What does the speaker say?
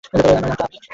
আরে আমি তো আমিই।